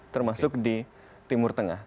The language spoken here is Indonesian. termasuk di timur tengah